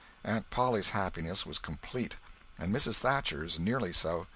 Aunt Polly's happiness was complete, and Mrs. Thatcher's nearly so.